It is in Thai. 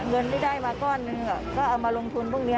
เงินที่ได้มาก้อนหนึ่งก็เอามาลงทุนพวกนี้